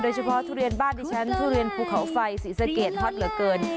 ทุเรียนบ้านดิฉันทุเรียนภูเขาไฟศรีสะเกดฮอตเหลือเกิน